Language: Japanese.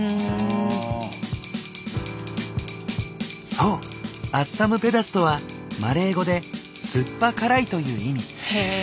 そうアッサムペダスとはマレー語で「酸っぱ辛い」という意味。